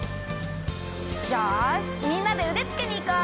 よしみんなで腕付けにいこう！